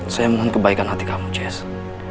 saya mohon kebaikan hati kamu jazzle